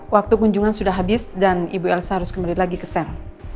waktu kunjungan sudah habis dan ibu elsa harus kembali lagi ke sel